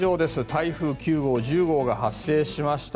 台風９号、１０号が発生しました。